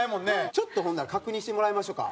ちょっとほんなら確認してもらいましょうか。